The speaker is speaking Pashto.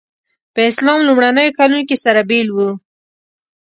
په اسلام لومړیو کلونو کې سره بېل وو.